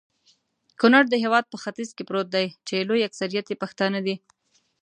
کونړ د هيواد په ختیځ کي پروت دي.چي لوي اکثريت يي پښتانه دي